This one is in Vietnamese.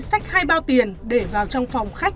xách hai bao tiền để vào trong phòng khách